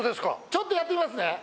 ちょっとやってみますね。